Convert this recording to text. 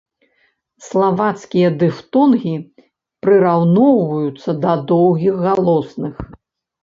Славацкія дыфтонгі прыраўноўваюцца да доўгіх галосных.